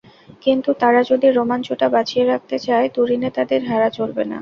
কিন্তু তারা যদি রোমাঞ্চটা বাঁচিয়ে রাখতে চায়, তুরিনে তাদের হারা চলবে না।